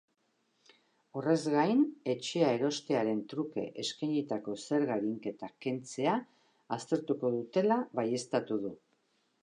Horrez gain, etxea erostearen truke eskainitako zerga-arinketak kentzea aztertuko dutela baieztatu du.